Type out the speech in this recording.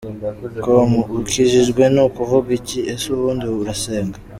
com: ukijijwe ni ukuvuga iki? Ese ubundu urasenga?.